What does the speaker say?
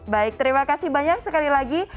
baik terima kasih banyak sekali lagi